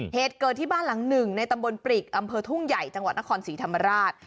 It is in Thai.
เหตุเกิดที่บ้านหลังหนึ่งในตำบลปริกอำเภอทุ่งใหญ่จังหวัดนครศรีธรรมราช